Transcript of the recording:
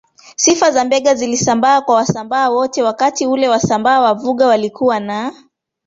Sifa za Mbegha zilisambaa kwa Wasambaa wote Wakati ule Wasambaa wa Vuga walikuwa na